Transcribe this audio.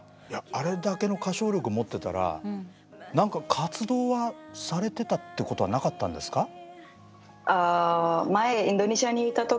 いやあれだけの歌唱力持ってたら何か活動はされてたってことはなかったんですか？